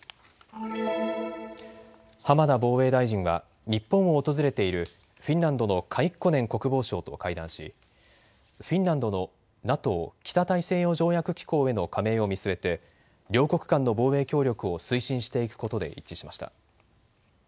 浜田防衛大臣は日本を訪れているフィンランドのカイッコネン国防相と会談しフィンランドのＮＡＴＯ・北大西洋条約機構への加盟を見据えて両国間の防衛協力を推進していくことで一致しました。